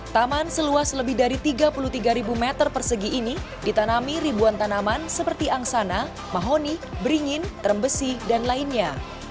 taman seluas lebih dari tiga puluh tiga meter persegi ini ditanami ribuan tanaman seperti angsana mahoni beringin terembesi dan lainnya